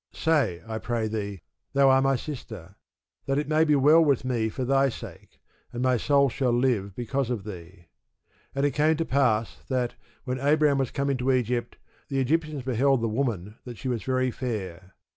Say, I pray thee, thou are my sister; that it may be well with me for thy sake; and my soul shall live because of thee. And it came to pass, that, when Abram was come into Egypt the Egyptians beheld the woman that she was very fair.